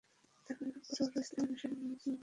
তার পরিবার কঠোর ইসলামি অনুশাসন মেনে চলত।